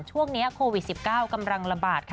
ช่วงนี้โควิด๑๙กำลังระบาดค่ะ